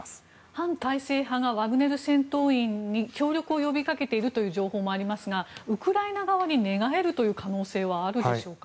反体制派がワグネル戦闘員に協力を呼び掛けているという情報もありますがウクライナ側に寝返る可能性はあるんでしょうか？